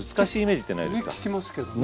ね聞きますけどね。